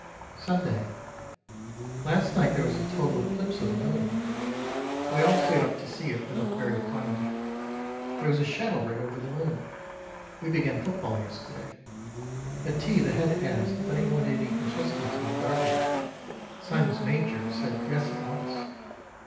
Sunday. Last night their was a total eclipse of the moon. We all stayed up to see it, it looked very funny. There was a shadow right over the moon. We began football yesterday. At tea the Head asked if any one had eaten chesnuts in the garden. Simes major said yes at once.